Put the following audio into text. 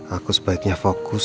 aku sebaiknya fokus